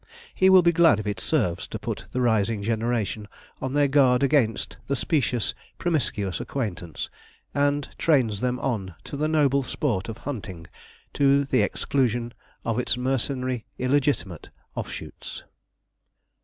He will be glad if it serves to put the rising generation on their guard against specious, promiscuous acquaintance, and trains them on to the noble sport of hunting, to the exclusion of its mercenary, illegitimate off shoots.